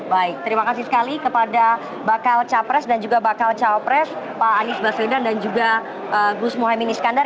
baik terima kasih sekali kepada bakal capres dan juga bakal cawapres pak anies baswedan dan juga gus mohaimin iskandar